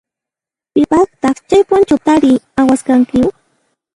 Pipaqtaq chay punchutari awashanki?